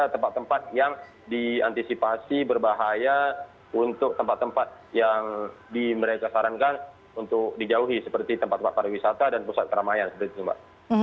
tempat tempat yang diantisipasi berbahaya untuk tempat tempat yang mereka sarankan untuk dijauhi seperti tempat tempat pariwisata dan pusat keramaian seperti itu mbak